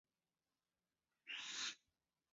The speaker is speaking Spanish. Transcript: En el cuadro de El Salvador, el extremo fue la revelación.